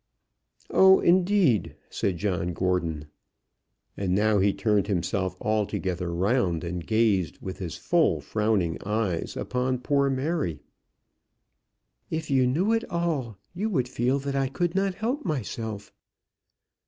"Oh, indeed!" said John Gordon. And now he turned himself altogether round, and gazed with his full frowning eyes fixed upon poor Mary. "If you knew it all, you would feel that I could not help myself."